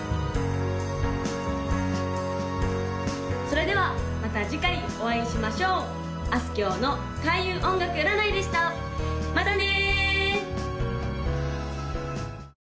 それではまた次回お会いしましょうあすきょうの開運音楽占いでしたまたね！